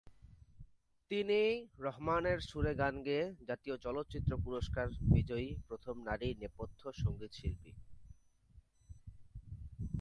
তিনি রহমানের সুরে গান গেয়ে জাতীয় চলচ্চিত্র পুরস্কার বিজয়ী প্রথম নারী নেপথ্য সঙ্গীতশিল্পী।